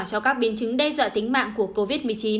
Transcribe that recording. cho các biến chứng đe dọa tính mạng của covid một mươi chín